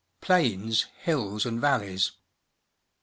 Plains, Hills, and Valleys.